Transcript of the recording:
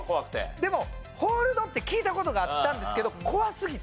でもホールドって聞いた事があったんですけど怖すぎて。